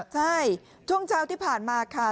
ใช่ช่วงเช้าที่ผ่านมาค่ะ